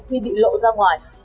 khi bị lộ ra ngoài